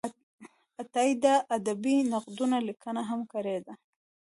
عطایي د ادبي نقدونو لیکنه هم کړې ده.